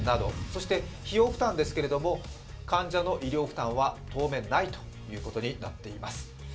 そして費用負担ですけれども、患者の医療負担は当面ないということになっています。